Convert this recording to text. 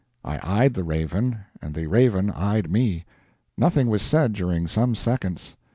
I eyed the raven, and the raven eyed me. Nothing was said during some seconds.